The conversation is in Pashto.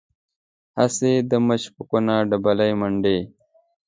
هسې د مچ په کونه ډبلی منډي.